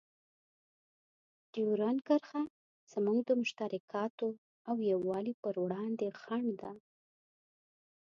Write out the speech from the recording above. ډیورنډ کرښه زموږ د مشترکاتو او یووالي په وړاندې خنډ ده.